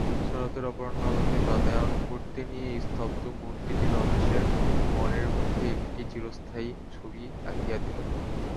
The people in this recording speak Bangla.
শরতের অপরাহ্ন-আলোকে বাতায়নবর্তিনী এই স্তব্ধমূর্তিটি রমেশের মনের মধ্যে একটি চিরস্থায়ী ছবি আঁকিয়া দিল।